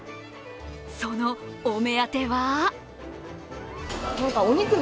そのお目当ては？